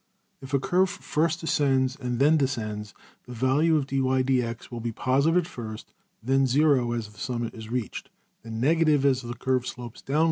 If a curve first ascends and then descends, the values of~$\dfrac{dy}{dx}$ will be positive at first; then zero, as the summit is reached; then negative, as the curve slopes downwards, as in \Fig.